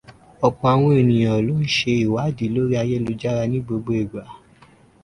Ọ̀pọ̀ àwọn èèyàn ló ń ṣe ìwádìí lórí ayélujára ní gbogbo ìgbà.